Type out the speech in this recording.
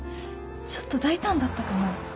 ちょっと大胆だったかな？